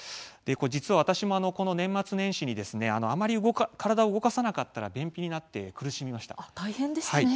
これ実は、私も年末年始にあまり体を動かさなかったら便秘になって苦しみました。